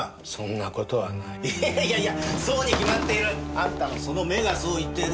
あんたのその目がそう言っている。